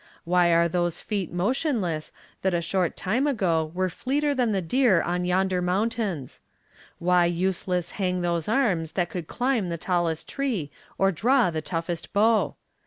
Why are those feet motionless that a short time ago were fleeter than the deer on yonder mountains? Why useless hang those arms that could climb the tallest tree or draw the toughest bow?